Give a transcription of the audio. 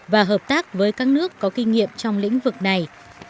và hợp tác với các nước có kinh nghiệm trong lĩnh vực này